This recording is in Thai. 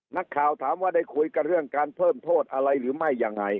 นักข่าวถามว่าได้คุยกับเรื่องการเพิ่มโทษอะไรหรือไม่ยังไง